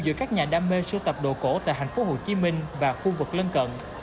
giữa các nhà đam mê sưu tập đồ cổ tại hạnh phúc hồ chí minh và khu vực lân cận